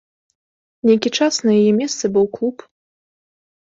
Нейкі час на яе месцы быў клуб.